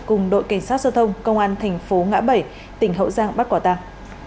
cùng đội cảnh sát giao thông công an thành phố ngã bảy tỉnh hậu giang bắt quả tàng